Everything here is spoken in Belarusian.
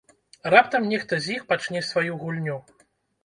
Раптам нехта з іх пачне сваю гульню?